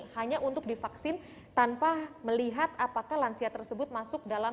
hanya untuk divaksin tanpa melihat apakah lansia tersebut masuk dalam